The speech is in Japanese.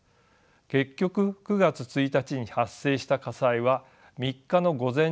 結局９月１日に発生した火災は３日の午前中まで延焼し続けました。